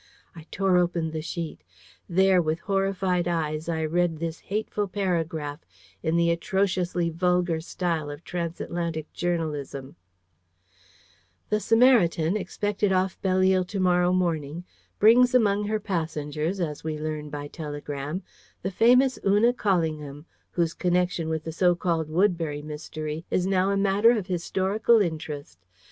I tore open the sheet. There, with horrified eyes, I read this hateful paragraph, in the atrociously vulgar style of Transatlantic journalism: "The Sarmatian, expected off Belleisle to morrow morning, brings among her passengers, as we learn by telegram, the famous Una Callingham, whose connection with the so called Woodbury Mystery is now a matter of historical interest.